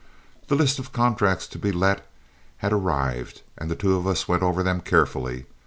The list of contracts to be let had arrived, and the two of us went over them carefully.